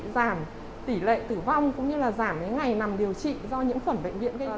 giảm tỷ lệ tử vong cũng như là giảm ngày nằm điều trị do những khuẩn bệnh viện gây ra